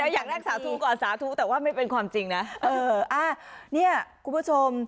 อยากนั่งสาธุก่อนสาธุแต่ว่าไม่เป็นความจริงนะเอออ่าเนี่ยคุณผู้ชม